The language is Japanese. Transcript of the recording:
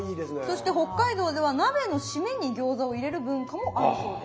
そして北海道では鍋の締めに餃子を入れる文化もあるそうです。